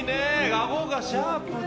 あごがシャープで。